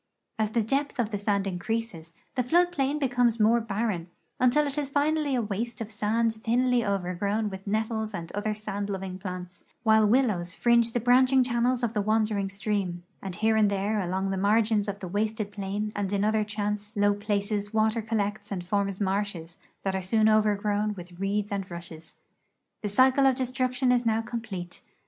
As the depth of the sand increases, the flood plain becomes more barren, until it is finally a waste of sand thinly overgrown with nettles and other sand loving plants, while willows fringe the branching channels of the wandering stream, and here and there along the margins of the wasted plain and in other chance low places water collects and forms marshes that are soon overgrown with reeds and rushes. The cycle of destruction is now complete.